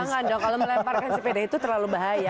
jangan dong kalau melemparkan sepeda itu terlalu bahaya